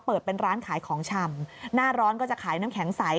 เปิดเป็นร้านขายของชำหน้าร้อนก็จะขายน้ำแข็งใส